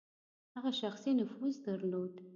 هغه شخصي نفوذ درلود.